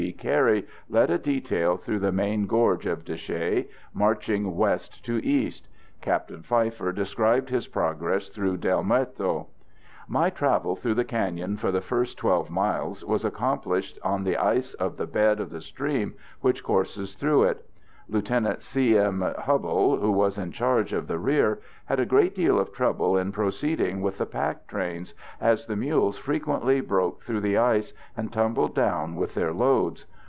B. Carey led a detail through the main gorge of de Chelly, marching west to east. Captain Pfeiffer described his progress through del Muerto: _My travel through the cañon, for the first 12 miles, was accomplished on the ice of the bed of the stream which courses through it.... Lt. C. M. Hubbell, who was in charge of the rear, had a great deal of trouble in proceeding with the pack trains, as the mules frequently broke through the ice and tumbled down with their loads.